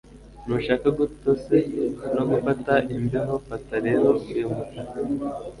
Ntushaka gutose no gufata imbeho fata rero uyu mutaka